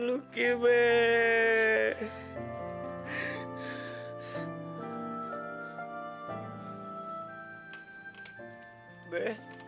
mbak bebe di mana bebe